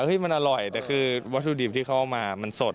ที่มันอร่อยแต่คือวัตถุดิบที่เขาเอามามันสด